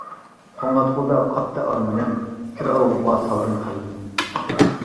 توڭلاتقۇدا قاتتى ئارمىنىم، كىر ئالغۇغا سالدىم قەلبىمنى.